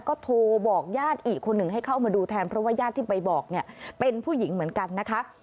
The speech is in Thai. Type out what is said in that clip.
ก็โทรบอกญาติอีกคนหนึ่งให้เข้ามาดูแทนเพราะว่าญาติที่ไปบอกเนี่ยเป็นผู้หญิงเหมือนกันนะคะ